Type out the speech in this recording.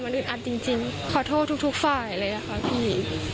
มันอึดอัดจริงจริงขอโทษทุกทุกฝ่ายเลยอ่ะค่ะพี่